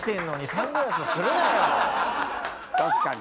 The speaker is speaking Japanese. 確かに。